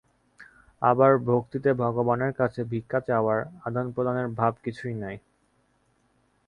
আবার ভক্তিতে ভগবানের কাছে ভিক্ষা চাওয়ার, আদান-প্রদানের ভাব কিছুই নাই।